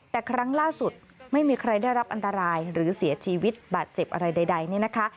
แต่ครั้งล่าสุดไม่มีใครได้รับอันตรายหรือเสียชีวิตบาดเจ็บอะไรใดเนี่ยนะคะ